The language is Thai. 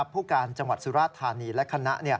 ผู้การจังหวัดสุราธานีและคณะ